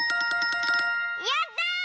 やった！